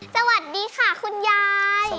สวัสดีค่ะคุณยาย